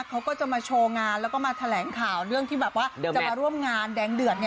เขาก็จะมาโชว์งานแล้วก็มาแถลงข่าวเรื่องที่แบบว่าจะมาร่วมงานแดงเดือด